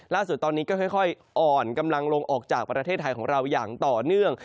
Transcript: ล่าสุดตอนนี้ก็ค่อยอ่อนกำลังลงออกจากประเทศไทยของเราอย่างต่อเนื่อง